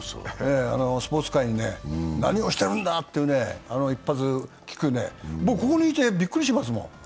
スポーツ界に何をしてるんだという、一発利くね、僕ここにいてびっくりしますもん。